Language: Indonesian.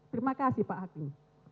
terima kasih pak hakim